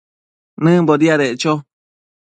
nëmbo diadeccho